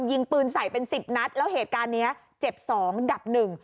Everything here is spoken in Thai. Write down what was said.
ยิงปืนใส่เป็นสิบนัดแล้วเหตุการณ์เนี้ยเจ็บสองดับหนึ่ง